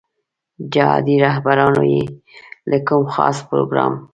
جهادي رهبرانو بې له کوم خاص پروګرام.